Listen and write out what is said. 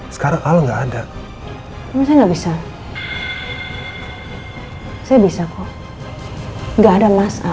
sekarang al nggak ada